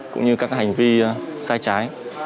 cũng như các hành vi